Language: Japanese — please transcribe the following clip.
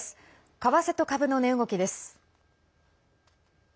為替と株の値動きです。